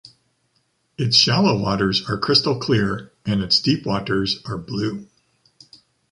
Its shallow waters are crystal clear and its deep waters are blue.